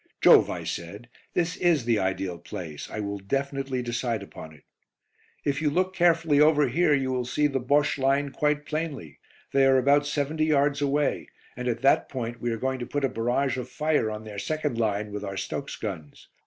"Jove!" I said, "this is the ideal place. I will definitely decide upon it." "If you look carefully over here you will see the Bosche line quite plainly. They are about seventy yards away, and at that point we are going to put a barrage of fire on their second line with our Stokes guns.